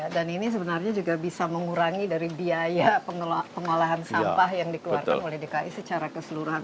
dan ini sebenarnya juga bisa mengurangi dari biaya pengolahan sampah yang dikeluarkan oleh dki secara keseluruhan